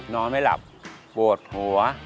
นอนไม่หลับปวดหัว